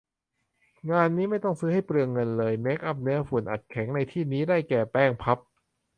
งานนี้ไม่ต้องซื้อให้เปลืองเงินเลย เมคอัพเนื้อฝุ่นอัดแข็งในที่นี้ ได้แก่ แป้งพัฟ